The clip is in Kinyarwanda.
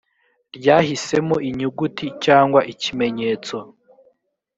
ryahisemo inyuguti cyangwa ikimenyetso